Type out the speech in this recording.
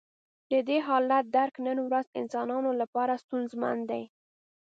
د دې حالت درک نن ورځ انسانانو لپاره ستونزمن دی.